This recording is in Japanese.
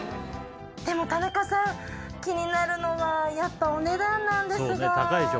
でも田中さん気になるのはやっぱお値段なんですが。